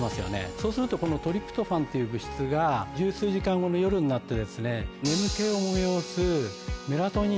そうするとこのトリプトファンっていう物質が１０数時間後の夜になって眠気を催すメラトニンに。